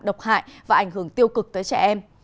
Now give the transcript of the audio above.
độc hại và ảnh hưởng tiêu cực tới trẻ em